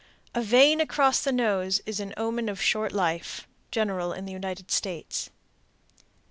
A vein across the nose is an omen of short life. _General in the United States.